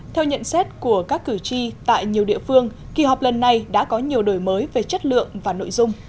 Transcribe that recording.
theo nhận xét của các cử tri tại nhiều địa phương kỳ họp lần này đã có nhiều đổi mới về chất lượng và nội dung